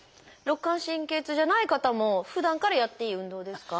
肋間神経痛じゃない方もふだんからやっていい運動ですか？